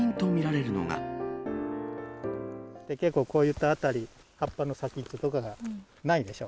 結構、こういった辺り、葉っぱの先とかがないでしょ。